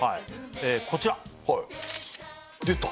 こちらはい出た！